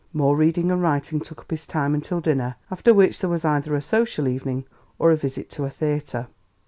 More reading and writing took up his time until dinner, after which there was either a social evening or a visit to a theatre.